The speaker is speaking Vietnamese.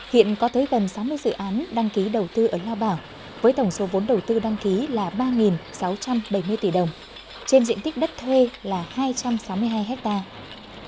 hiện có tới gần sáu mươi dự án đăng ký đầu tư ở lao bảo với tổng số vốn đầu tư đăng ký là ba sáu trăm bảy mươi tỷ đồng trên diện tích đất thuê là hai trăm sáu mươi hai hectare